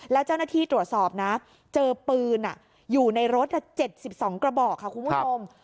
แล้วเจ้าหน้าที่ตรวจสอบนะเจอปืนอยู่ในรถ๗๒กระบอกค่ะคุณผู้ชม